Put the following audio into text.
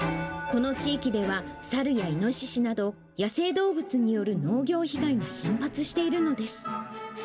この地域では、猿やイノシシなど、野生動物による農業被害が頻発しているのです。